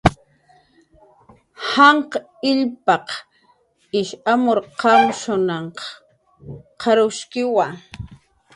Janq' illp ish amur qamsanq qarwshkiwa